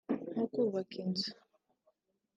nko kubaka inzu